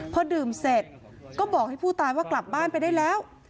พอดื่มเสร็จก็บอกให้ผู้ตายว่ากลับบ้านไปได้แล้ว